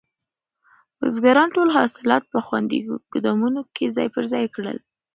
بزګرانو ټول حاصلات په خوندي ګودامونو کې ځای پر ځای کړل.